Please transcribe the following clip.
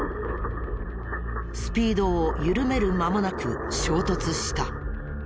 スピードを緩める間もなく衝突した。